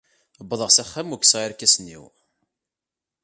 Wwḍeɣ s axxam u kkseɣ irkasen-iw.